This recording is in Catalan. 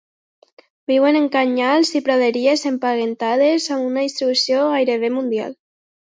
Viuen en canyars i praderies empantanegades, amb una distribució gairebé mundial.